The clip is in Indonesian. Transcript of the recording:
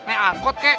naik angkot kek